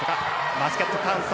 バスケットカウント。